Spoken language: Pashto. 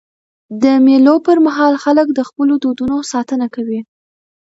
د مېلو پر مهال خلک د خپلو دودونو ساتنه کوي.